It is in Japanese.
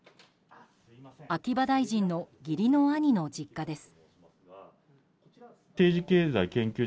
秋葉大臣の義理の兄の実家です。